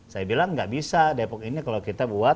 saya bilang nggak bisa depok ini kalau kita buat